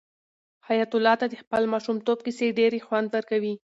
حیات الله ته د خپل ماشومتوب کیسې ډېر خوند ورکوي.